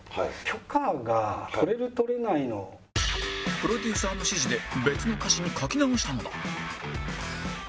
プロデューサーの指示で別の歌詞に書き直したのだ